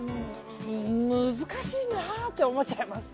難しいなって思っちゃいます。